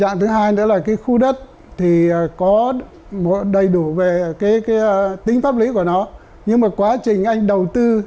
nhưng mà quá trình anh đầu tư